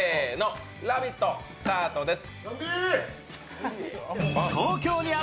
「ラヴィット！」スタートです。